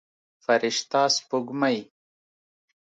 فرشته سپوږمۍ